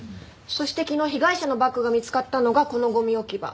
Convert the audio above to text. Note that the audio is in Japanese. そして昨日被害者のバッグが見つかったのがこのゴミ置き場。